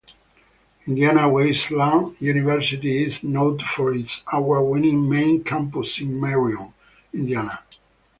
Indiana Wesleyan University is noted for its award-winning main campus in Marion, Indiana.